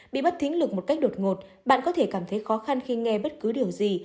bị mất thính lực một cách đột ngột bạn có thể cảm thấy khó khăn khi nghe bất cứ điều gì